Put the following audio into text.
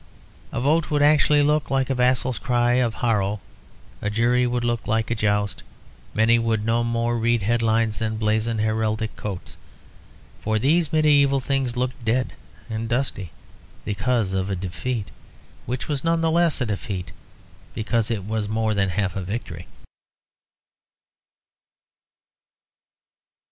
A vote would actually look like a vassal's cry of "haro," a jury would look like a joust; many would no more read headlines than blazon heraldic coats. For these medieval things look dead and dusty because of a defeat, which was none the less a defeat because it was more than half a victory.